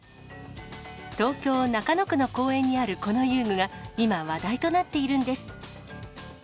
東京・中野区の公園にある、この遊具が今、話題となっているんです。